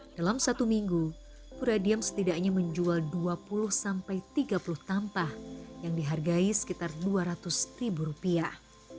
dalam satu minggu muradiem setidaknya menjual dua puluh sampai tiga puluh tampah yang dihargai sekitar dua ratus ribu rupiah